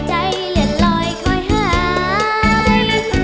เลือดลอยคอยหาย